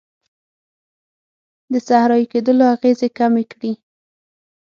د صحرایې کیدلو اغیزې کمې کړي.